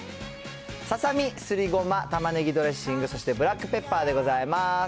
ささみ、すりごま、タマネギドレッシング、そしてブラックペッパーでございます。